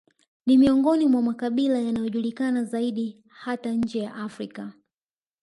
Ni miongoni mwa makabila yanayojulikana zaidi hata nje ya Afrika